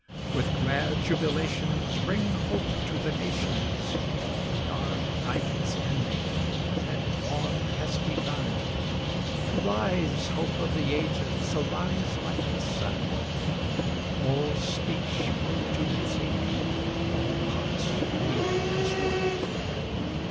With glad jubilations Bring hope to the nations The dark night is ending and dawn has begun Rise, hope of the ages, arise like the sun, All speech flow to music, all hearts beat as one!